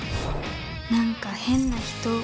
何か変な人。